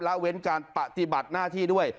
ละเว้นการปฏิบัติหน้าที่ด้วย